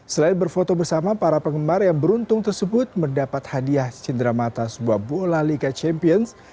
selain berfoto bersama para penggemar yang beruntung tersebut mendapat hadiah cindera mata sebuah bola liga champions